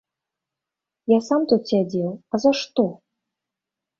Я сам тут сядзеў, а за што?